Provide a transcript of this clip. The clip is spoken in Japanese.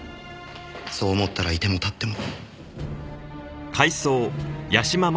そう思ったら居ても立っても。